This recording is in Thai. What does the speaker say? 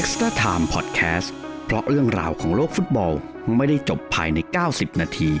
สวัสดีครับ